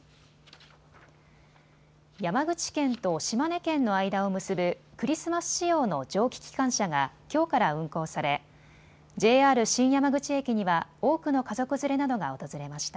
山口県と島根県の間を結ぶクリスマス仕様の蒸気機関車がきょうから運行されＪＲ新山口駅には多くの家族連れなどが訪れました。